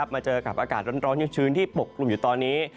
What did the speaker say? มาเจอกับอากาศร้อนชื้นที่ปกกลุ่มอยู่ตอนนี้